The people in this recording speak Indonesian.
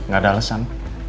gak ada alasan